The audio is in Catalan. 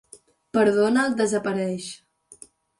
Però Donald desapareix.